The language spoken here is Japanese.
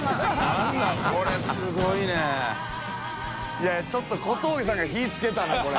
いやちょっと小峠さんが火つけたなこれ。